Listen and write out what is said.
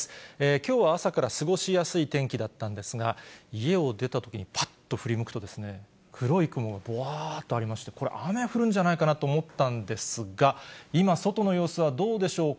きょうは朝から過ごしやすい天気だったんですが、家を出たときに、ぱっと振り向くと、黒い雲がぼわーっとありまして、これ、雨、降るんじゃないかなと思ったんですが、今、外の様子はどうでしょうか。